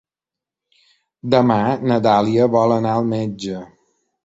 Demà na Dàlia vol anar al metge.